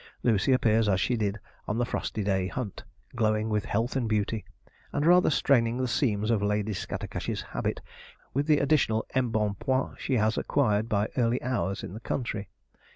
Lucy appears as she did on the frosty day hunt, glowing with health and beauty, and rather straining the seams of Lady Scattercash's habit with the additional embonpoint she has acquired by early hours in the country.